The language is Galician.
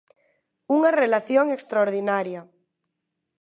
Unha relación extraordinaria.